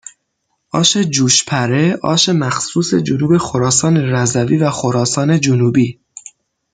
آش جوش پره آش مخصوص جنوب خراسان رضوی و خراسان جنوبی